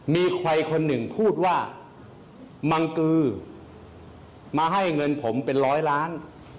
มีใครคนหนึ่งพูดว่ามังกือมาให้เงินผมเป็นร้อยล้าน